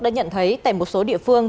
đã nhận thấy tại một số địa phương